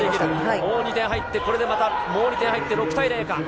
もう２点入って、これでまたもう２点入って６対０。